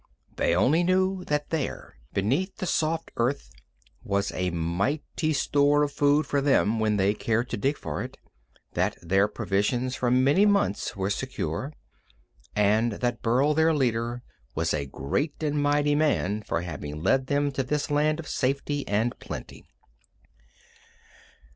They only knew that there, beneath the soft earth, was a mighty store of food for them when they cared to dig for it, that their provisions for many months were secure, and that Burl, their leader, was a great and mighty man for having led them to this land of safety and plenty.